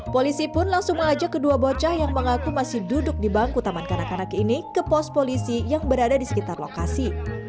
polisi pun langsung mengajak kedua bocah yang mengaku masih duduk di bangku taman kanak kanak ini ke pos polisi yang berada di sekitar lokasi